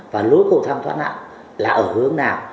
và lối cầu thang thoát nạn là ở hướng nào